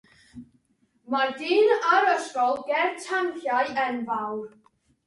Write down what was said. Mae dyn ar ysgol ger tanciau enfawr.